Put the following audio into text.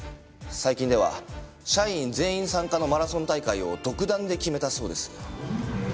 最近では社員全員参加のマラソン大会を独断で決めたそうです。